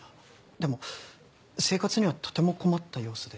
でも生活にはとても困った様子で。